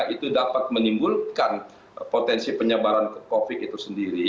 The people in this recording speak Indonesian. itu dapat menimbulkan potensi penyebaran covid itu sendiri